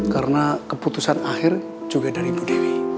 karena keputusan akhir juga dari bu dewi